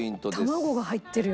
卵が入ってるよ